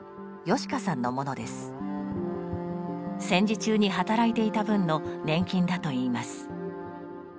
戦時中に働いていた分の年金だといいます。